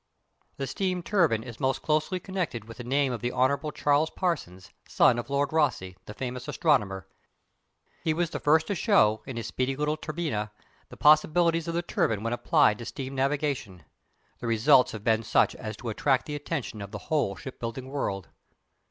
The steam turbine is most closely connected with the name of the Hon. Charles Parsons, son of Lord Rosse, the famous astronomer. He was the first to show, in his speedy little Turbinia, the possibilities of the turbine when applied to steam navigation. The results have been such as to attract the attention of the whole shipbuilding world.